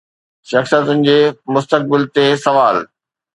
شخصيتن جي مستقبل تي سوال